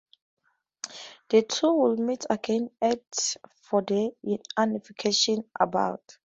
The two would meet again at for the unification bout.